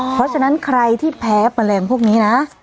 เพราะฉะนั้นใครที่แพ้แมลงพวกนี้นะ